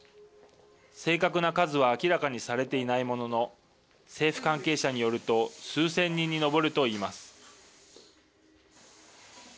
正確な数は明らかにされていないものの政府関係者によると数千人に上ると言います。